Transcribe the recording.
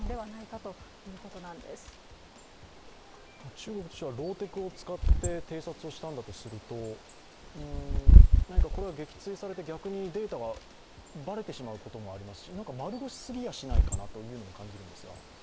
中国としてはローテクを使って偵察をしたんだとすると、これは撃墜されて逆にデータがばれてしまうこともありますし丸腰すぎやしないかなというのも感じるんですが？